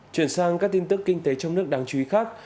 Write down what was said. chuyển sang các tin tức kinh tế trong nước đáng chú ý khác